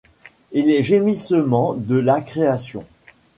Et les gémissements de là création